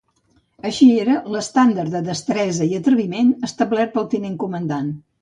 Així era l'estàndard de destresa i atreviment establert pel tinent comandant.